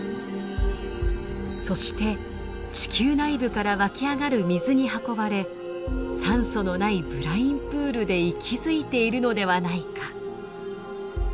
そして地球内部から湧き上がる水に運ばれ酸素のないブラインプールで息づいているのではないか。